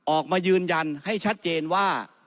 ออกมายืนยันให้ชัดเจนว่า